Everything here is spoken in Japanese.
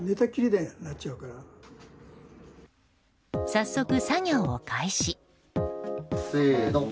早速、作業を開始。